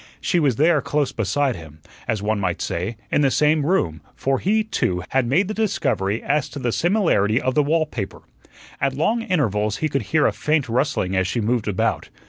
She was there close beside him; as one might say, in the same room; for he, too, had made the discovery as to the similarity of the wallpaper. At long intervals he could hear a faint rustling as she moved about.